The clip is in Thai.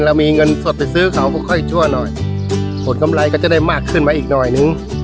เรามีเงินสดไปซื้อเขาก็ค่อยชั่วหน่อยผลกำไรก็จะได้มากขึ้นมาอีกหน่อยนึง